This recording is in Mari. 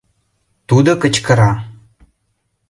Тудо кычкыра: